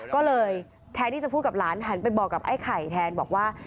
ก็เลยแทนที่จะพูดกับหลานหันไปบอกกับไอ้ไข่แทนบอกว่า